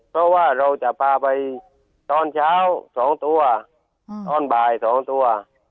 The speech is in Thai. เพราะว่าเราจะปลาไปตอนเช้าสองตัวอืมตอนบ่ายสองตัว